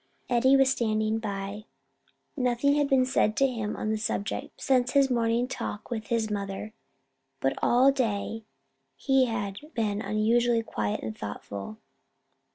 Eddie was standing by. Nothing had been said to him on the subject, since his morning talk with his mother, but all day he had been unusually quiet and thoughtful.